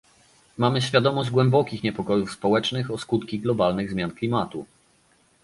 Mamy świadomość głębokich niepokojów społecznych o skutki globalnych zmian klimatu